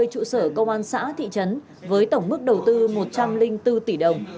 ba mươi trụ sở công an xã thị trấn với tổng mức đầu tư một trăm linh bốn tỷ đồng